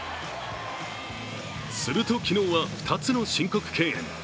すると、昨日は２つの申告敬遠。